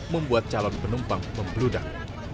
membuat calon penumpang membeludak